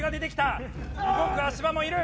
動く足場もいる。